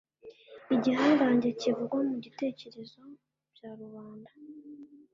igihangange kivugwa mu gitekerezo bya rubanda.